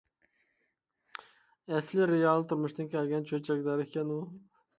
ئەسلى رېئال تۇرمۇشتىن كەلگەن چۆچەكلەر ئىكەن ئۇ!